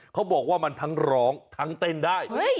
เขาบอกว่ามันทั้งร้องทั้งเต้นได้